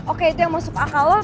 oke itu yang masuk akal